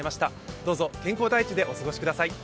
どうぞ健康第一でお過ごしください。